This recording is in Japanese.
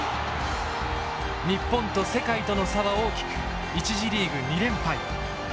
日本と世界との差は大きく１次リーグ２連敗。